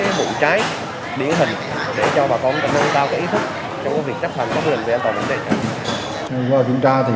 đưa ra một số bụi cháy điện hình để cho bà con tạo ý thức cho việc chấp hành phòng lệnh về an toàn phòng cháy cháy